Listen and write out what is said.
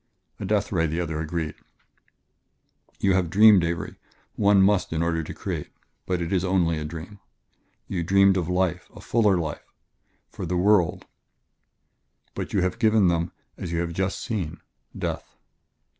"A death ray," the other agreed. "You have dreamed, Avery one must in order to create but it is only a dream. You dreamed of life a fuller life for the world, but you would have given them, as you have just seen, death."